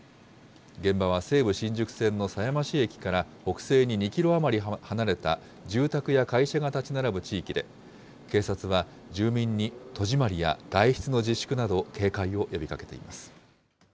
現場は西武新宿線の狭山市駅から北西に２キロ余り離れた住宅や会社が建ち並ぶ地域で、警察は住民に戸締まりや外出の自粛など、警戒を呼びかけています。